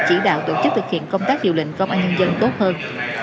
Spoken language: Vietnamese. chỉ đạo tổ chức thực hiện công tác điều lệnh công an nhân dân tốt hơn